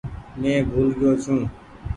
مين ڀول گئيو ڇون۔